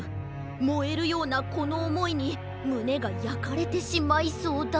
もえるようなこのおもいにむねがやかれてしまいそうだ。